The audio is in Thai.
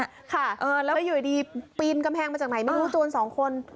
แล้วอยู่ดีปีนกำแพงมาจากไหนไม่รู้โจรสองคน